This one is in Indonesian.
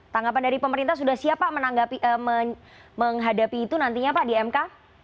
tanggapan dari pemerintah sudah siap pak menghadapi itu nantinya pak di mk